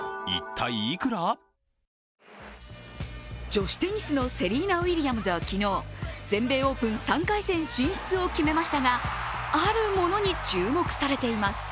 女子テニスのセリーナ・ウィリアムズは昨日全米オープン３回戦進出を決めましたがあるものに注目されています。